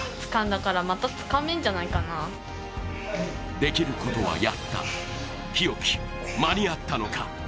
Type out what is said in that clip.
できることはやった、日置、間に合ったのか？